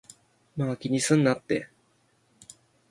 まぁ、気にすんなって